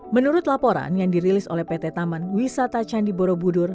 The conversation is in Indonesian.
menurut laporan yang dirilis oleh pt taman wisata candi borobudur